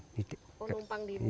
oh numpang di rumah